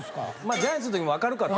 ジャイアンツのときも明るかった。